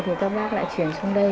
thì các bác lại chuyển xuống đây